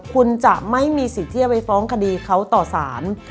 คุณจะไม่มีสิทธิ์ที่จะไปฟ้องคดีเขาต่อสาร